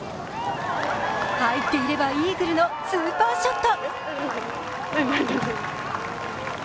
入っていればイーグルのスーパーショット。